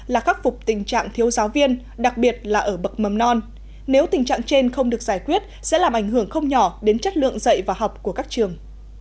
là khắc phục tình trạng thiếu giáo viên đặc biệt là ở bậc mầm non nếu tình trạng trên không được giải quyết sẽ làm ảnh hưởng không nhỏ đến chất lượng dạy và học của các trường